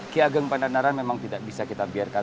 ki ageng pandana ran memang tidak bisa kita biarkan